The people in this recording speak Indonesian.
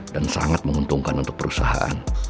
dan sangat menguntungkan untuk perusahaan